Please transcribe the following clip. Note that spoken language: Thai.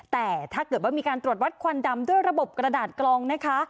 แต่ถ้าเกิดว่ามีการตรวจวัดควันดำด้วยระบบกระดาษกลองนะคะ